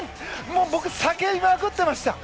僕、叫びまくってました。